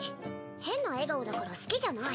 変な笑顔だから好きじゃない。